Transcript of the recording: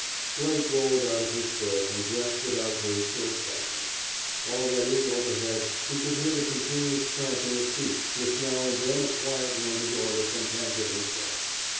Blake rolled out of his berth and dressed without haste or excitement. Already, overhead, he could hear the continuous tramping of feet, with now and then a quiet noted order from Tankred himself.